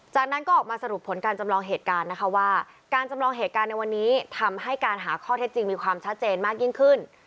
จากนั้นก็ออกมาสรุปผลการจำลองเหตุการณ์นะคะว่าการจำลองเหตุการณ์ในวันนี้ทำให้การหาข้อเท็จจริงมีความชัดเจนมากยิ่งขึ้น